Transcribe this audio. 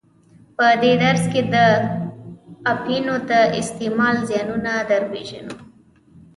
په دې درس کې د اپینو د استعمال زیانونه در پیژنو.